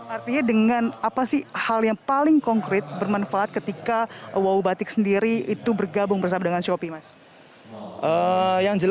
artinya dengan apa sih hal yang paling konkret bermanfaat ketika wo batik sendiri itu berhasil